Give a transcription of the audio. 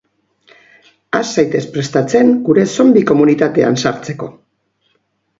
Has zaitez prestatzen gure zonbi komunitatean sartzeko!